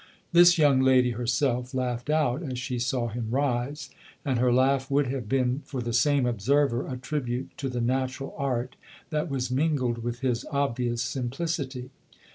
This young lady herself laughed out as she saw him rise, and her laugh would have been, for the same observer, a tribute to the natural art that was mingled with his obvious simplicity.